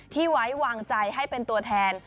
ไว้วางใจให้เป็นตัวแทน